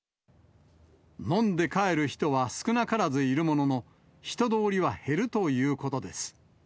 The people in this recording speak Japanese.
飲んで帰る人は少なからずいるものの、人通りは減るということです。